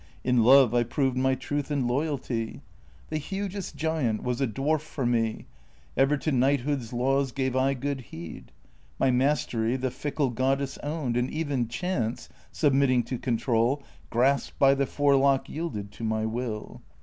In love I proved my truth and loyalty ; The hugest giant was a dwarf for me ; Ever to knighthood's laws gave I good heed. My mastery the Fickle Goddess owned, And even Chance, submitting to control. Grasped by the forelock, yielded to my will.